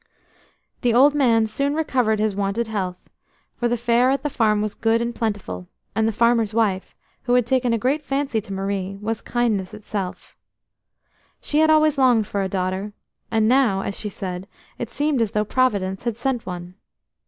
The old man soon recovered his wonted health, for the fare at the farm was good and plentiful, and the farmer's wife, who had taken a great fancy to Marie, was kindness itself. She had always longed for a daughter, and now, as she said, it seemed as though Providence had sent one.